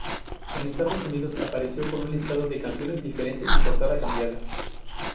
En Estados Unidos apareció con un listado de canciones diferente y portada cambiada.